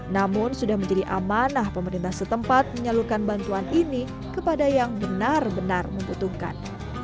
namun sudah menjadi amanah pemerintah setempat menyalurkan bantuan ini kepada yang benar benar membutuhkan